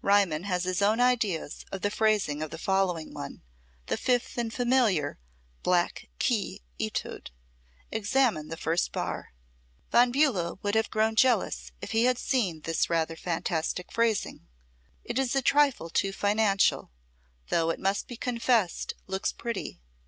Riemann has his own ideas of the phrasing of the following one, the fifth and familiar "Black Key" etude. Examine the first bar: [Musical Illustration without caption] Von Bulow would have grown jealous if he had seen this rather fantastic phrasing. It is a trifle too finical, though it must be confessed looks pretty.